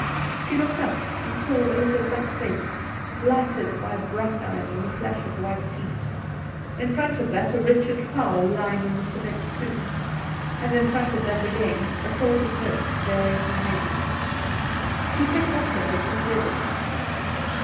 She looked up and saw a little black face, lighted by bright eyes and a flash of white teeth ; in front of that, a wretched fowl lying on the cement stoep ; and in front of that again, a folded note bearing her name. She picked up the note and read it.